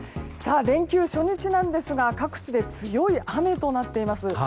連休初日なんですが各地で強い雨となっています。